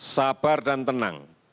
sabar dan tenang